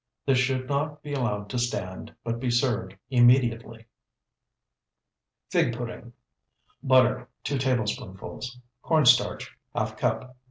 This should not be allowed to stand, but be served immediately. FIG PUDDING Butter, 2 tablespoonfuls. Corn starch, ½ cup.